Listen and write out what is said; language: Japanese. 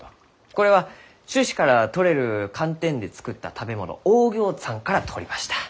これは種子からとれるカンテンで作った食べ物オーギョーツァンから取りました。